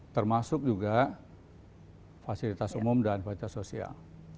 termasuk juga fasilitas umum dan fasilitas sosial